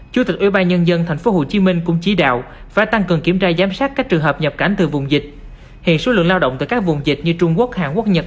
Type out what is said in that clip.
chủ tịch ubnd tp hcm cũng chỉ đạo và tăng cường kiểm tra giám sát các trường hợp nhập cảnh từ vùng dịch